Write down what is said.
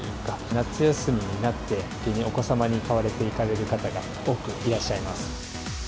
夏休みになってお子様に買われていかれる方が多くいらっしゃいま